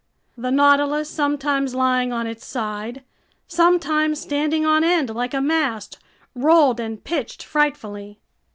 The Nautilus, sometimes lying on its side, sometimes standing on end like a mast, rolled and pitched frightfully.